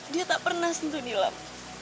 dia tak pernah sentuh nilap